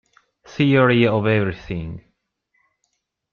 Theory of Everything